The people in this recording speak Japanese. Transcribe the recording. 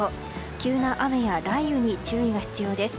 急な雨や雷雨に注意が必要です。